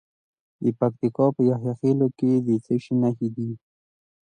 د پکتیکا په یحیی خیل کې د څه شي نښې دي؟